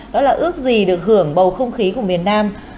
đó là ước gì được hưởng bầu không khí của miền nam